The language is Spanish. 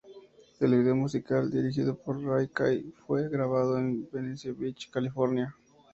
El vídeo musical, dirigido por Ray Kay, fue grabado en Venice Beach, California.